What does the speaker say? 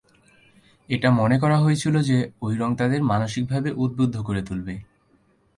এটা মনে করা হয়েছিল যে ঐ রং তাদের মানসিকভাবে উদ্বুদ্ধ করে তুলবে।